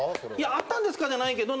「あったんですか」じゃないけど。